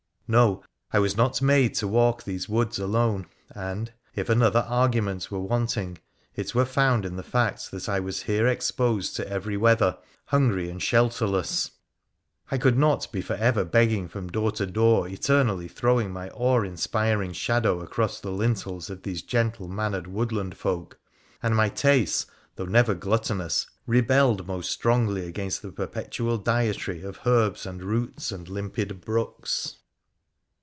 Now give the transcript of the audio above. No, I was not made to walk these woods alone, and, if another argument were wanting, it were found in the fact that I PHRA THE PHCENICIAN 127 was here exposed to every weather, hungry and shelterless \ I could not be for ever begging from door to door, eternally throwing my awe inspiring shadow across the lintels of these gentle mannered woodland folk, and my tastes, though never gluttonous, rebelled most strongly against the perpetual dietary of herbs and roots and limpid brooks.